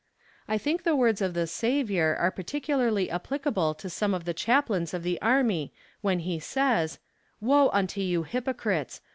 I think the words of the Saviour are particularly applicable to some of the chaplains of the army when He says: "Woe unto you hypocrites!